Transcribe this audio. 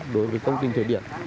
đối với công ty thủy điện